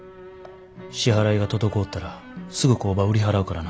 支払いが滞ったらすぐ工場売り払うからな。